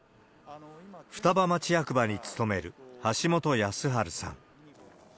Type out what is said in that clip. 双葉町役場に勤める橋本靖治さん。